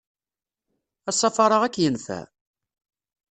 Asafar-a ad k-yenfeɛ!